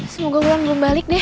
semoga bulan belum balik deh